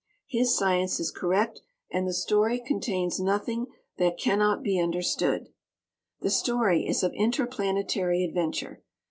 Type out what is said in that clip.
His science is correct and the story contains nothing that cannot be understood. The story is of interplanetary adventure.